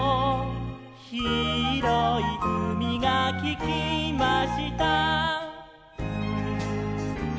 「ひろいうみがききました」